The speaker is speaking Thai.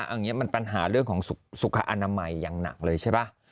เอาอย่างนี้มันปัญหาเรื่องของสุขอนามัยอย่างหนักเลยใช่ป่ะ